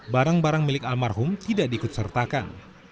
barang barang milik almarhum tidak diikut sertakan